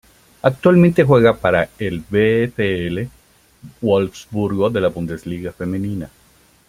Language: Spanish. Actualmente juega para el VfL Wolfsburgo de la Bundesliga Femenina.